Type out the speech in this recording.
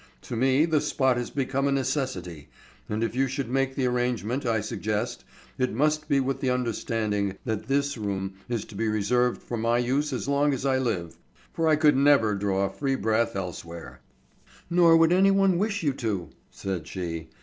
To me the spot has become a necessity, and if you should make the arrangement I suggest, it must be with the understanding that this room is to be reserved for my use as long as I live, for I could never draw a free breath elsewhere." "Nor would anyone wish you to," said she.